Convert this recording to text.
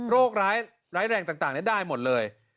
โรคร้ายแรงต่างได้หมดเลย